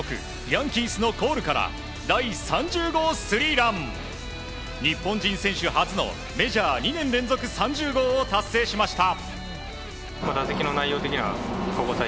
ヤンキースのコールから第３０号ホームラン日本人選手初のメジャー２年連続３０号を達成しました。